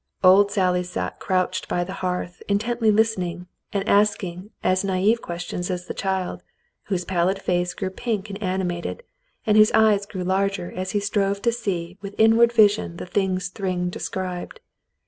Old Sally sat crouched by the hearth intently listening and asking as naive questions as the child, whose pallid face grew pink and animated, and whose eyes grew larger as he strove to see with inward vision the things Thryng described.